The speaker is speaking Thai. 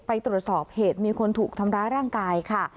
ไปตรวจสอบเหตุมีคนถูกทำร้ายร่างกายค่ะ